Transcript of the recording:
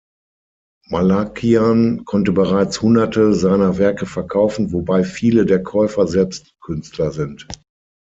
Malakian konnte bereits hunderte seiner Werke verkaufen, wobei viele der Käufer selbst Künstler sind.